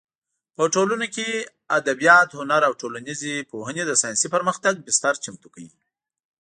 په ټولنو کې ادبیات، هنر او ټولنیزې پوهنې د ساینسي پرمختګ بستر چمتو کوي.